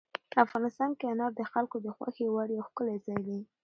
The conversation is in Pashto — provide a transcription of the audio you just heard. افغانستان کې انار د خلکو د خوښې وړ یو ښکلی ځای دی.